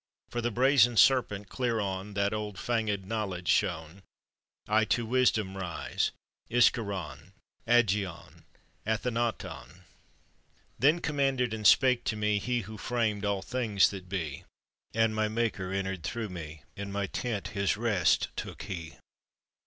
For the brazen Serpent clear on That old fangèd knowledge shone; I to Wisdom rise, Ischyron, Agion Athanaton! "Then commanded and spake to me He who framed all things that be; And my Maker entered through me, In my tent His rest took He.